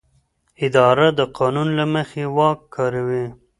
اداره د قانون له مخې واک کاروي.